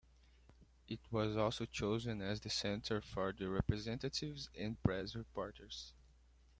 It was also chosen as the centre for the representatives and press-reporters.